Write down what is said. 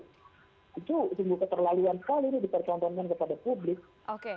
itu sungguh keterlaluan sekali ini diperkontrolkan kepada publik